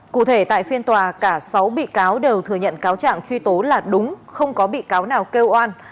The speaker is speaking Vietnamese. cụ thể tại phiên tòa cả sáu bị cáo đều thừa nhận cáo trạng truy tố là đúng không có bị cáo nào kêu oan